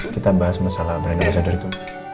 kita bahas masalah rena basadar itu